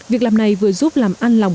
việc làm này vừa giúp làm ăn lòng